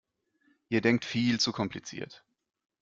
Ihr denkt viel zu kompliziert!